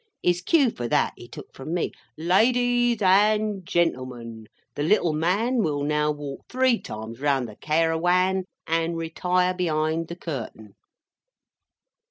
His cue for that, he took from me: "Ladies and gentlemen, the little man will now walk three times round the Cairawan, and retire behind the curtain."